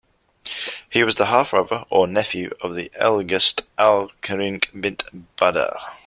He was the half-brother or nephew of the elegist Al-Khirniq bint Badr.